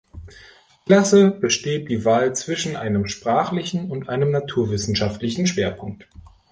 Klasse besteht die Wahl zwischen einem sprachlichen und einem naturwissenschaftlichen Schwerpunkt.